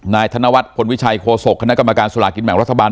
ธนวัฒนพลวิชัยโฆษกคณะกรรมการสลากินแบ่งรัฐบาล